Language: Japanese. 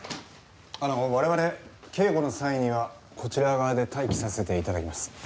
あの我々警護の際にはこちら側で待機させて頂きます。